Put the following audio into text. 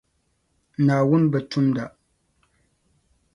Naawuni bi tumda.